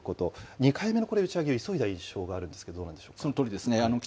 ２回目のこれ、打ち上げ、急いだ印象があるんですけど、どうなんでしょうか。